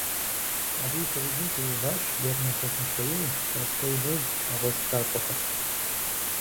Абы и лъэужьым теуващ Лермонтов Михаил, Толстой Лев, нэгъуэщӏ тхакӏуэхэр.